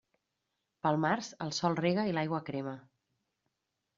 Pel març el sol rega i l'aigua crema.